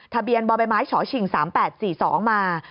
ทะเบียนบมฉฉ๓๘๔๒มา